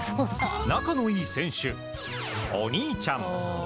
仲のいい選手、お兄ちゃん。